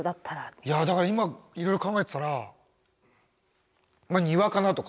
いやだから今いろいろ考えてたら庭かなとか。